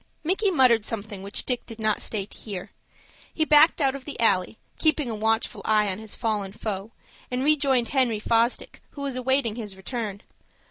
Micky muttered something which Dick did not stay to hear. He backed out of the alley, keeping a watchful eye on his fallen foe, and rejoined Henry Fosdick, who was awaiting his return.